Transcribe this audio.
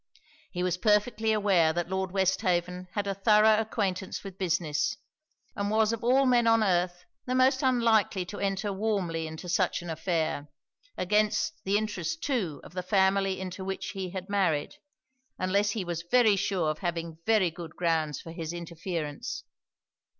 He was perfectly aware that Lord Westhaven had a thorough acquaintance with business, and was of all men on earth the most unlikely to enter warmly into such an affair, (against the interest too of the family into which he had married) unless he was very sure of having very good grounds for his interference.